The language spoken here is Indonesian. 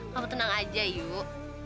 kamu tenang aja yuk